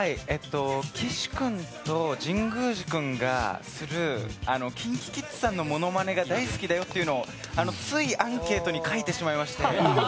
岸君と神宮寺君がするＫｉｎＫｉＫｉｄｓさんのモノマネが大好きだよってついアンケートに書いてしまいまして。